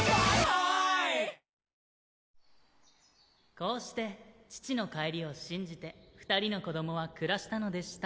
「こうして父の帰りを信じて二人の子供は暮らしたのでした」。